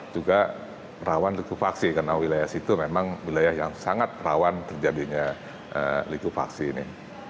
juga rawan likupaksi karena wilayah situ memang wilayah yang sangat rawan terjadinya likuifaksi ini